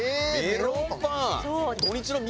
メロンパン！